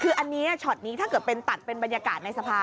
คืออันนี้ช็อตนี้ถ้าเกิดเป็นตัดเป็นบรรยากาศในสภา